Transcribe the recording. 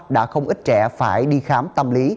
đã không ít trẻ phải đi khám tâm lý